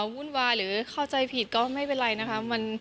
วุ่นวายหรือเข้าใจผิดก็ไม่เป็นไรนะคะ